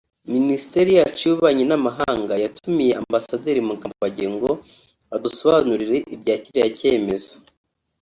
“ Minisiteri yacu y’ububanyi n’amahanga yatumiye Ambasaderi Mugambage ngo adusobanurire ibya kiriya cyemezo